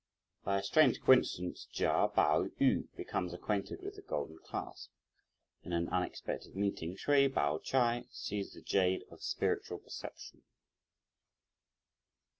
By a strange coincidence, Chia Pao yü becomes acquainted with the golden clasp. In an unexpected meeting, Hsüeh Pao ch'ai sees the jade of spiritual perception.